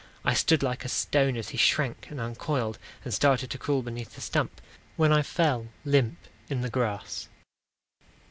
I stood like a stone as he shrank and uncoiled And started to crawl beneath the stump, When I fell limp in the grass.